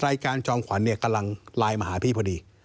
จอมขวัญเนี่ยกำลังไลน์มาหาพี่พอดี